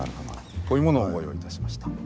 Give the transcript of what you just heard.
こういうものをご用意いたしました。